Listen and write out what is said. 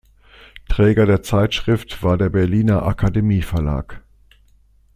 Träger der Zeitschrift war der Berliner Akademie-Verlag.